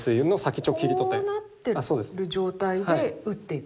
こうなってる状態で打っていく？